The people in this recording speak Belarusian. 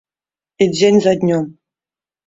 І дзень за днём.